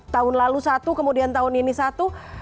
tahun lalu satu kemudian tahun ini satu